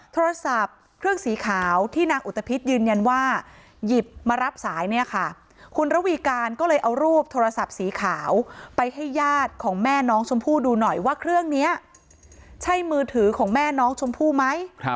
โทรศัพท์เครื่องสีขาวที่นางอุตภิษยืนยันว่าหยิบมารับสายเนี่ยค่ะคุณระวีการก็เลยเอารูปโทรศัพท์สีขาวไปให้ญาติของแม่น้องชมพู่ดูหน่อยว่าเครื่องนี้ใช่มือถือของแม่น้องชมพู่ไหม